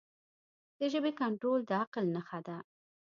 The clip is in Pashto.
د ژبې کنټرول د عقل نښه ده.